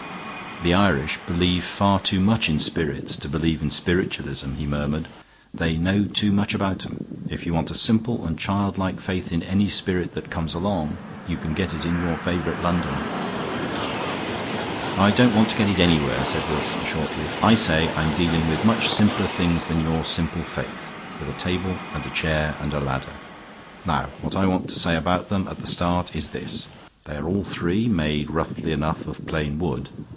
"The Irish believe far too much in spirits to believe in spiritualism," he murmured. "They know too much about 'em. If you want a simple and childlike faith in any spirit that comes along you can get it in your favorite London." "I don't want to get it anywhere," said Wilson, shortly. "I say I'm dealing with much simpler things than your simple faith, with a table and a chair and a ladder. Now what I want to say about them at the start is this. They are all three made roughly enough of plain wood.